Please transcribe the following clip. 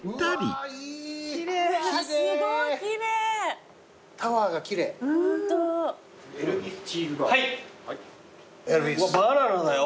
うわバナナだよ。